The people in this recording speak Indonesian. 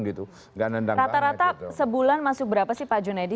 rata rata sebulan masuk berapa sih pak junaidi